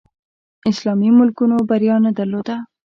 اسلامي ملکونو بریا نه درلوده